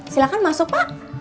silahkan masuk pak